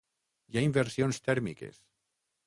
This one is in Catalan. Hi ha inversions tèrmiques.